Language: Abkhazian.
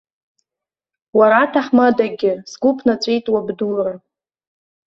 Уара аҭаҳмадагьы, сгәы ԥнаҵәеит уабдура.